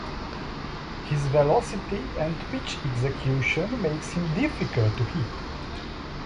His velocity and pitch execution makes him difficult to hit.